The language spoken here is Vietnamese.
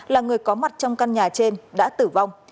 là người có mặt trong căn nhà trên đã tử vong